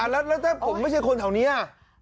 แล้วถ้าผมไม่ใช่คนแถวนี้